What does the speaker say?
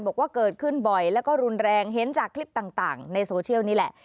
บอกว่าเกิดขึ้นบ่อยแล้วก็รุนแรงเห็นจากคลิปต่างในโซเชียลนี่แหละ